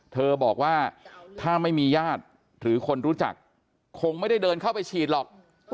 เธอบอกว่าถ้าไม่มีญาติหรือคนรู้จักคงไม่ได้เดินเข้าไปฉีดหรอก